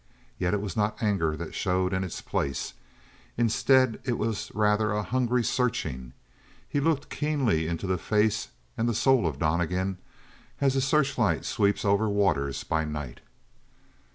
Yet it was not anger that showed in its place. Instead, it was rather a hungry searching. He looked keenly into the face and the soul of Donnegan as a searchlight sweeps over waters by night.